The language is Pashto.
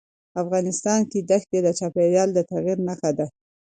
افغانستان کې دښتې د چاپېریال د تغیر نښه ده.